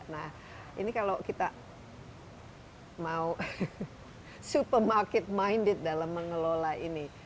nah ini kalau kita mau supermarket minded dalam mengelola ini